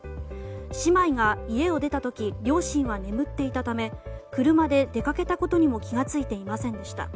姉妹が家を出た時両親は眠っていたため車で出かけたことにも気が付いていませんでした。